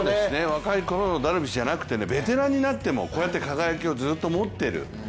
若いころのダルビッシュじゃなくてベテランになってもこうやって輝きをずっと持ってる。